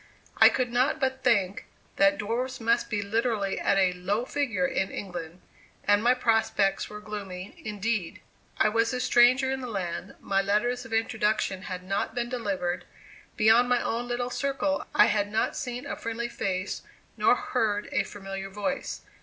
I could not but think, that dwarfs must be literally at a "low figure" in England, and my prospects were gloomy indeed. I was a stranger in the land; my letters of introduction had not been delivered; beyond my own little circle, I had not seen a friendly face, nor heard a familiar voice.